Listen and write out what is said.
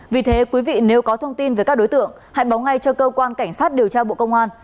vì thế quý vị nếu có thông tin về các đối tượng hãy báo ngay cho cơ quan cảnh sát điều tra bộ công an